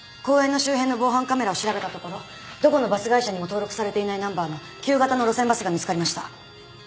公園の周辺の防犯カメラを調べたところどこのバス会社にも登録されていないナンバーの旧型の路線バスが見つかりました。